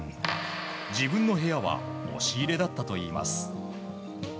自分の部屋は押し入れだったといいます。